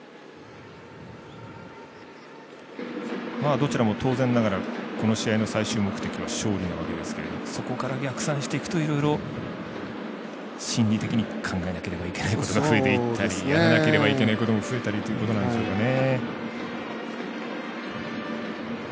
どちらも当然ながらこの試合の最終目的は勝利なわけですけれどもそこから逆算していくといろいろ心理的に考えなければならないことが増えていったりやらなければいけないことも増えていったりということなんでしょうかね。